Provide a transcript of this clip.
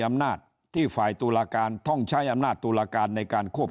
อำนาจที่ฝ่ายตุลาการต้องใช้อำนาจตุลาการในการควบ